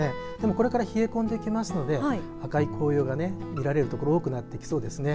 これから冷え込んできますので赤い紅葉が見られるところ多くなってきそうです。